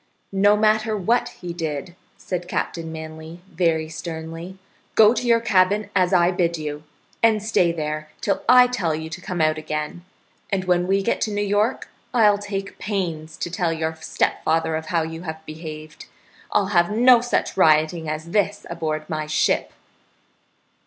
"No matter what he did," said Captain Manly, very sternly. "Go to your cabin, as I bid you, and stay there till I tell you to come out again, and when we get to New York I'll take pains to tell your stepfather of how you have behaved. I'll have no such rioting as this aboard my ship."